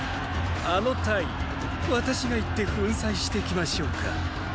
あの隊私が行って粉砕してきましょうか。